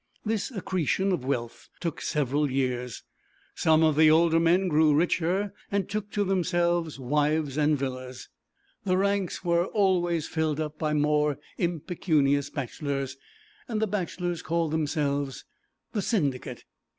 This accretion of wealth took several years; some of the older men grew richer, and took to themselves wives and villas; the ranks were always filled up by more impecunious bachelors. The bachelors called themselves 'The Syndicate.'